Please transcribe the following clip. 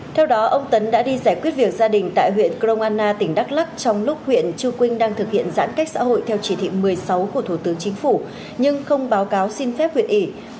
theo đó ông tấn đã đi giải quyết việc gia đình tại huyện crong anna tỉnh đắk lắc trong lúc huyện chư quynh đang thực hiện giãn cách xã hội theo chỉ thị một mươi sáu của thủ tướng chính phủ nhưng không báo cáo xin phép huyện ủy